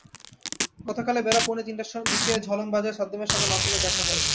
গতকাল বেলা পৌনে তিনটার দিকে ঝলম বাজারে সাদ্দামের সঙ্গে মাসুমের দেখা হয়।